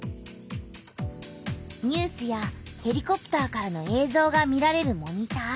ニュースやヘリコプターからのえいぞうが見られるモニター。